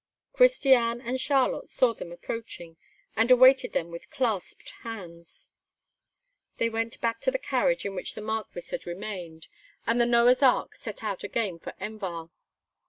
Christiane and Charlotte saw them approaching, and awaited them with clasped hands. They went back to the carriage in which the Marquis had remained, and the Noah's Ark set out again for Enval.